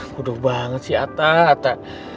buduh banget sih atta